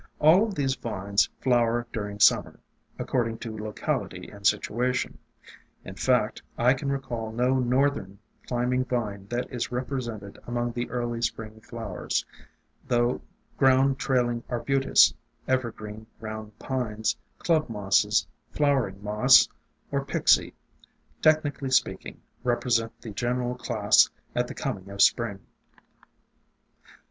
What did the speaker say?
All of these vines flower during Sum mer, according to locality and situation; in fact, I can recall no northern climbing vine that is rep resented among the early Spring flowers, though ground Trailing Arbutus, evergreen Ground Pines, Club Mosses, Flowering Moss or Pyxie, technically THE DRAPERY OF VINES 305 speaking, represent the general class at the coming of Spring.